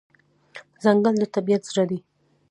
ځنګل د طبیعت زړه دی.